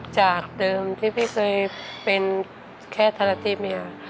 จากเดิมที่พี่เคยเป็นแค่ทาราธิเมีย